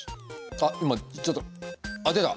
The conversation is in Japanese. あっ今ちょっとあっ出た！